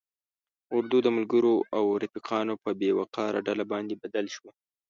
اردو د ملګرو او رفیقانو په بې وقاره ډله باندې بدل شوه.